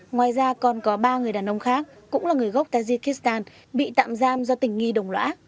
ngoài ra còn có ba người đàn ông khác cũng là người gốc tajikistan bị tạm giam do tình nghi đồng lõa